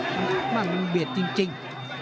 ข้างให้มันเบียดจริง